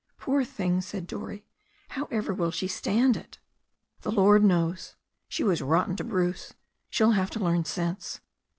"Poor thing," said Dorrie. "However will she stand it?" "The Lord knows. She was rotten to Bruce. She'll have to learn sense."